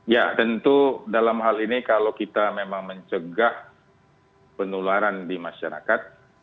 ya tentu dalam hal ini kalau kita memang mencegah penularan di masyarakat